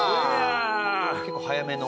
結構早めの。